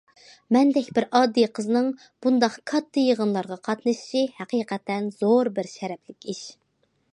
مەندەك بىر ئاددىي قىزنىڭ بۇنداق كاتتا يىغىنلارغا قاتنىشىشى ھەقىقەتەن زور بىر شەرەپلىك ئىش.